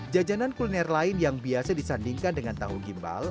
jajanan kuliner lain yang biasa disandingkan dengan tahu gimbal